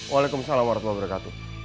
waalaikumsalam warahmatullahi wabarakatuh